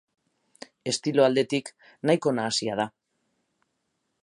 Estilo aldetik nahiko nahasia da.